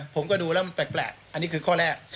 ผมก็ดูแล้วมันแปลกอันนี้คือข้อแรก